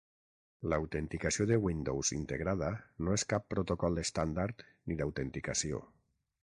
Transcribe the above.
L'autenticació de Windows integrada no és cap protocol estàndard ni d'autenticació.